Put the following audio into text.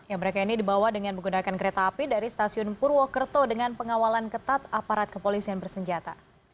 ya mereka ini dibawa dengan menggunakan kereta api dari stasiun purwokerto dengan pengawalan ketat aparat kepolisian bersenjata